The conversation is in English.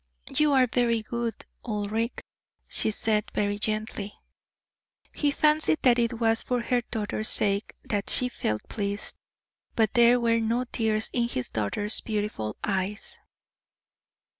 "You are very good, Ulric," she said, very gently. He fancied that it was for her daughter's sake that she felt pleased. But there were no tears in his daughter's beautiful eyes.